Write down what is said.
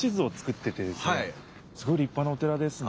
すごいりっぱなお寺ですね。